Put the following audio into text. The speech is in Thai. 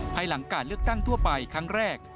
ภายหลังการเลือกตั้งทั่วไปครั้งแรก